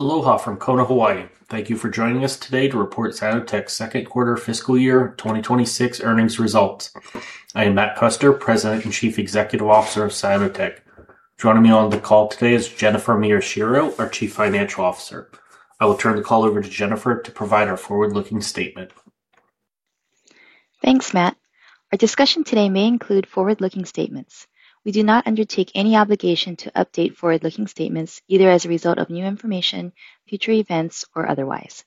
Aloha from Kona, Hawaii. Thank you for joining us today to report Cyanotech's second quarter fiscal year 2026 earnings results. I am Matt Custer, President and Chief Executive Officer of Cyanotech. Joining me on the call today is Jennifer Miyashiro, our Chief Financial Officer. I will turn the call over to Jennifer to provide our forward-looking statement. Thanks, Matt. Our discussion today may include forward-looking statements. We do not undertake any obligation to update forward-looking statements, either as a result of new information, future events, or otherwise.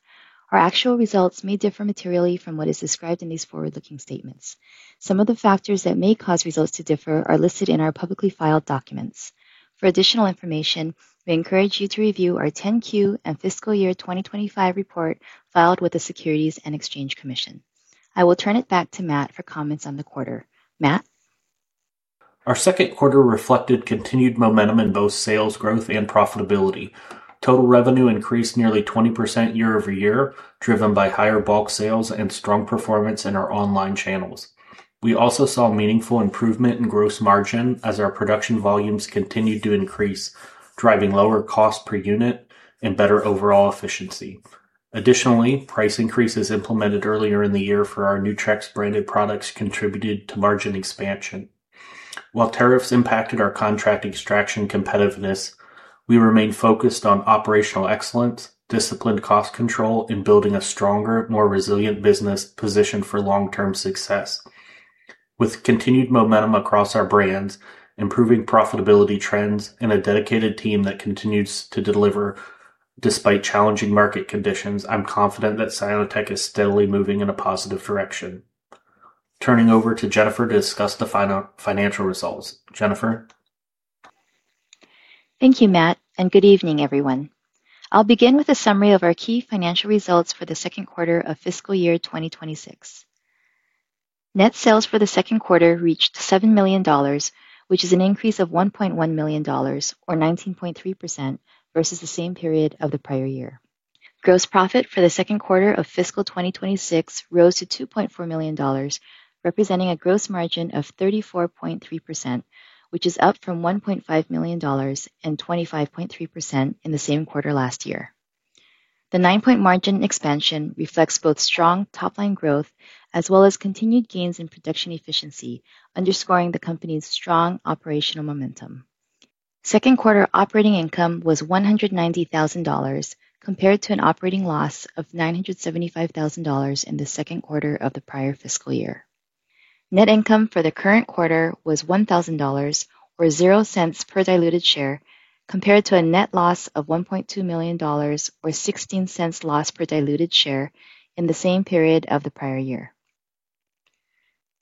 Our actual results may differ materially from what is described in these forward-looking statements. Some of the factors that may cause results to differ are listed in our publicly filed documents. For additional information, we encourage you to review our 10-Q and fiscal year 2025 report filed with the Securities and Exchange Commission. I will turn it back to Matt for comments on the quarter. Matt. Our second quarter reflected continued momentum in both sales growth and profitability. Total revenue increased nearly 20% year over year, driven by higher bulk sales and strong performance in our online channels. We also saw meaningful improvement in gross margin as our production volumes continued to increase, driving lower costs per unit and better overall efficiency. Additionally, price increases implemented earlier in the year for our Nutrex branded products contributed to margin expansion. While tariffs impacted our contract extraction competitiveness, we remained focused on operational excellence, disciplined cost control, and building a stronger, more resilient business position for long-term success. With continued momentum across our brands, improving profitability trends, and a dedicated team that continues to deliver despite challenging market conditions, I'm confident that Cyanotech is steadily moving in a positive direction. Turning over to Jennifer to discuss the financial results. Jennifer. Thank you, Matt, and good evening, everyone. I'll begin with a summary of our key financial results for the second quarter of fiscal year 2026. Net sales for the second quarter reached $7 million, which is an increase of $1.1 million, or 19.3%, versus the same period of the prior year. Gross profit for the second quarter of fiscal 2026 rose to $2.4 million, representing a gross margin of 34.3%, which is up from $1.5 million and 25.3% in the same quarter last year. The nine-point margin expansion reflects both strong top-line growth as well as continued gains in production efficiency, underscoring the company's strong operational momentum. Second quarter operating income was $190,000, compared to an operating loss of $975,000 in the second quarter of the prior fiscal year. Net income for the current quarter was $1,000, or $0.00 per diluted share, compared to a net loss of $1.2 million, or $0.16 loss per diluted share in the same period of the prior year.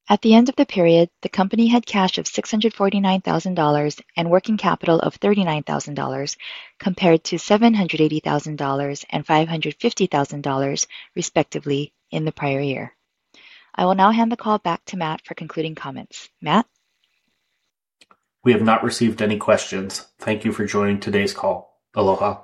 At the end of the period, the company had cash of $649,000 and working capital of $39,000, compared to $780,000 and $550,000, respectively, in the prior year. I will now hand the call back to Matt for concluding comments. Matt. We have not received any questions. Thank you for joining today's call. Aloha.